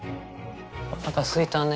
おなかすいたね。